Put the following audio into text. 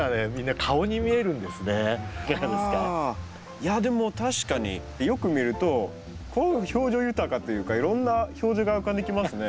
いやでも確かによく見ると表情豊かというかいろんな表情が浮かんできますね。